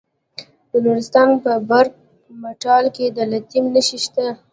د نورستان په برګ مټال کې د لیتیم نښې شته.